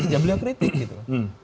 ya beliau kritik gitu